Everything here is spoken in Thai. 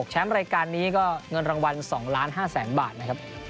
แชมป์รายการนี้ก็เงินรางวัล๒๕๐๐๐๐บาทนะครับ